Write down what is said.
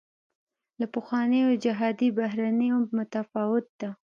له پخوانیو جهادي بهیرونو متفاوته ده.